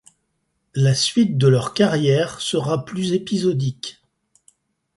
La suite de leur carrière sera plus épisodique.